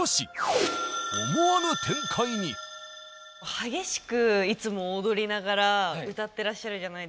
激しくいつも踊りながら歌ってらっしゃるじゃないですか。